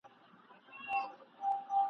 دښمن راغلی د کتابونو ..